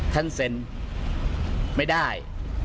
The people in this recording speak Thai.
ท่านเซ็นไม่ได้